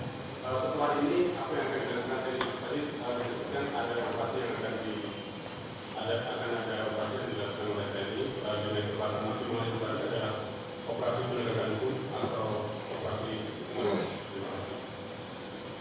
atau operasi pengorbanan